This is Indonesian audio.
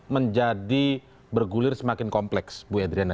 menjadi bergulir semakin kompleks bu edriana